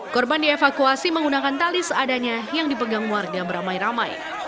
korban dievakuasi menggunakan tali seadanya yang dipegang warga beramai ramai